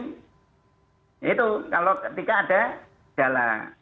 itu kalau ketika ada dalam